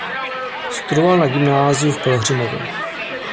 Studoval na Gymnáziu v Pelhřimově.